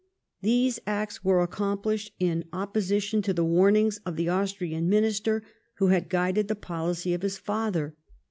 These acts were accomplished in o})position to the warnings of the Austrian Minister who had guided the policy of his father.